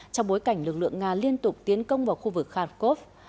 trong bối cảnh lực lượng nga liên tục tiến công vào khu vực khankov